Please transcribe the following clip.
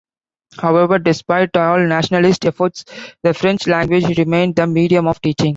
However, despite all nationalist efforts, the French language remained the medium of teaching.